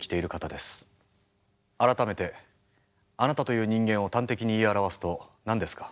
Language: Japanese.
改めてあなたという人間を端的に言い表すと何ですか？